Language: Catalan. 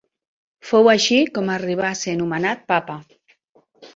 Fou així com arribà a ser nomenat papa.